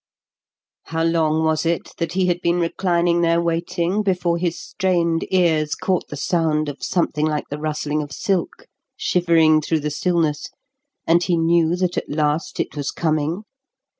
How long was it that he had been reclining there waiting before his strained ears caught the sound of something like the rustling of silk shivering through the stillness, and he knew that at last it was coming?